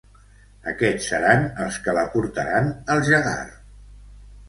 Aquests seran els que la portaran al Jaggar.